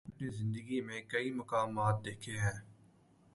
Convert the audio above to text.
میں نے اپنی زندگی میں کئی مقامات دیکھے ہیں۔